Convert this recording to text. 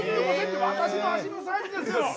私の足のサイズですよ。